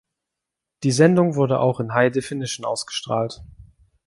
Die Sendung wurde auch in High Definition ausgestrahlt.